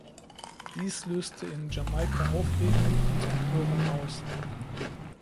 Dies löste in Jamaika Aufregung und Empörung aus.